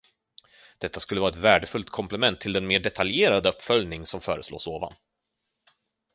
Detta skulle vara ett värdefullt komplement till den mer detaljerade uppföljning som föreslås ovan.